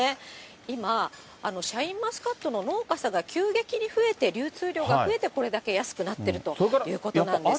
今、シャインマスカットの農家さんが急激に増えて、流通量が増えて、これだけ安くなっているということなんですね。